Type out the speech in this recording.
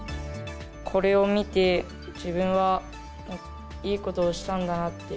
これを見て、自分はいいことをしたんだなって。